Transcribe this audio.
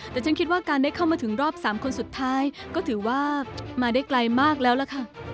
แต่ฉันคิดว่าการได้เข้ามาถึงรอบ๓คนสุดท้ายก็ถือว่ามาได้ไกลมากแล้วล่ะค่ะ